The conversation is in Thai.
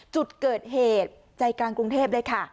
จุดเกิดเหตุใจกลางกรุงเทพเลยค่ะ